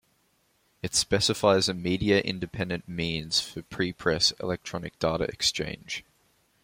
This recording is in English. It specifies a media-independent means for prepress electronic data exchange.